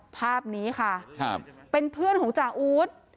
ภาพนี้ค่ะเป็นเพื่อนของจ่าอู๊ด